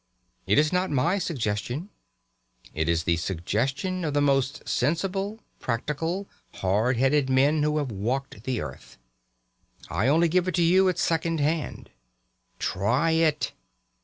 It is not my suggestion. It is the suggestion of the most sensible, practical, hard headed men who have walked the earth. I only give it you at second hand. Try it.